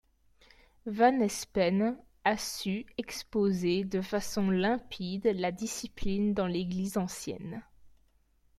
Van Espen a su exposer de façon limpide la discipline dans l'Église ancienne.